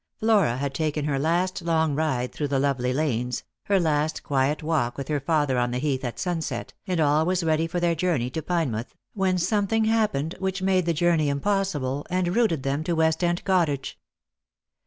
Flora had taken her last long ride through the lovely lanes, her last quiet walk with her father on the Heath at sunset, and all was ready for their journey to Pinemouth, when something happened which made the journey impossible, and rooted them to West end Cottage.